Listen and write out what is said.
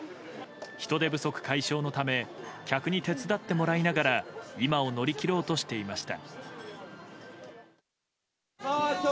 人手不足解消のため客に手伝ってもらいながら今を乗り切ろうとしていました。